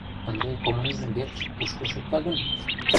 Ынде «Коммунизм верч» кушко шукта гын?